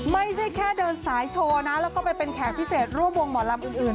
ไม่ใช่แค่เดินสายโชว์นะแล้วก็ไปเป็นแขกพิเศษร่วมวงหมอลำอื่น